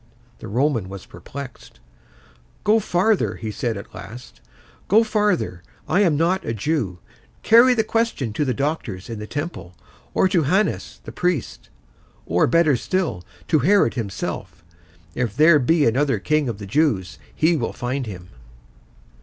The Roman was perplexed. "Go farther," he said, at last. "Go farther. I am not a Jew. Carry the question to the doctors in the Temple, or to Hannas the priest, or, better still, to Herod himself. If there be another King of the Jews, he will find him."